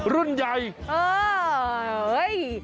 รุ่นใหญ่